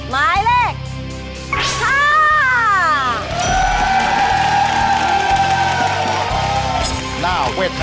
ไม้เลข๕